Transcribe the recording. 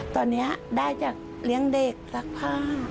ตอนนี้ได้จากเลี้ยงเด็กซักผ้า